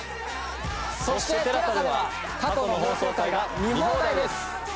そしてＴＥＬＡＳＡでは過去の放送回が見放題です！